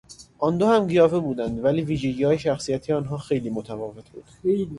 آن دو هم قیافه بودند ولی ویژگیهای شخصیتهای آنان خیلی متفاوت بود.